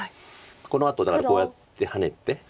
このあとだからこうやってハネて。